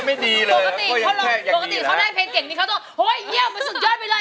คนที่ได้เพลงเก่งนี่ก็คิดว่าเยี่ยมไปสุดยอดไปเลย